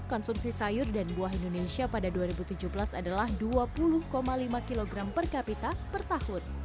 konsumsi sayur dan buah indonesia pada dua ribu tujuh belas adalah dua puluh lima kg per kapita per tahun